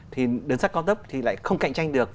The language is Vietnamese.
thì đường sắt cao tốc thì lại không cạnh tranh được